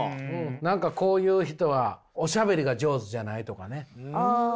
何かこういう人はおしゃべりが上手じゃないとかね。